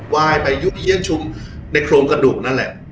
ไหว้ไปยุ้งเยี้ยงชุมในโครงกระดุ่งนั่นแหละ